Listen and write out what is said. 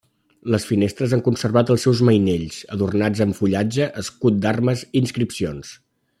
Les finestres han conservat els seus mainells, adornats amb fullatge, escuts d'armes i inscripcions.